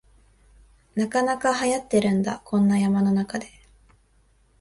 なかなかはやってるんだ、こんな山の中で